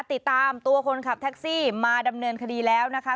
ติดตามตัวคนขับแท็กซี่มาดำเนินคดีแล้วนะคะ